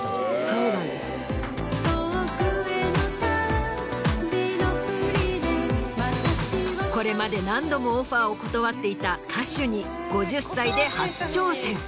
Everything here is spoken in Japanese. そうなんです。遠くへの旅のふりでこれまで何度もオファーを断っていた歌手に５０歳で初挑戦。